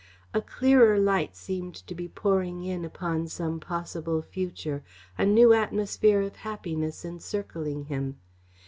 A clearer light seemed to be pouring in upon some possible future, a new atmosphere of happiness encircling him.